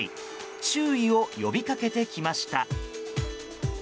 注意を呼び掛けてきました。